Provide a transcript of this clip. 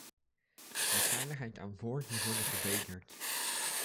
De veiligheid aan boord moet worden verbeterd.